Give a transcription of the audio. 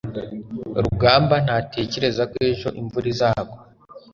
rugamba ntatekereza ko ejo imvura izagwa